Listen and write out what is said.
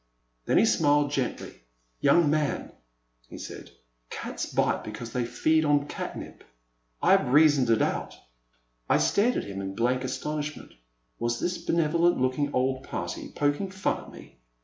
Then he smiled gently. "Young man," he said, *' cats bite because they feed on cat nip. I have reasoned it out." I stared at him in blank astonishment. Was this benevolent looking old party poking fun at me